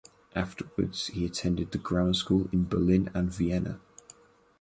Afterwards he attended the grammar school in Berlin and Vienna.